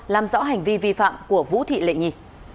làm rõ hành vi vi phạm của vũ thị lệ nhi